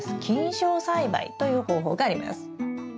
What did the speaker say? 菌床栽培という方法があります。